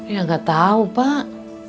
ya gak tau pak